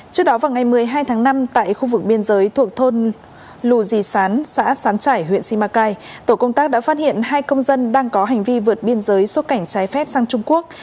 trước đó vào ngày một mươi hai tháng năm tại khu vực biên giới thuộc thôn lù dì sán xã sán trải huyện simacai tổ công tác đã phát hiện hai công dân đang có hành vi vượt biên giới xuất cảnh trái phép sang trung quốc